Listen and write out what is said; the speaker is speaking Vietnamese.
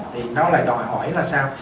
thì nó lại đòi hỏi là sao